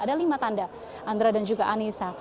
ada lima tanda andra dan juga anissa